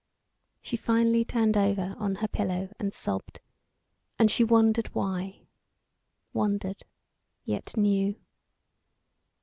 She finally turned over on her pillow and sobbed; and she wondered why wondered, yet knew.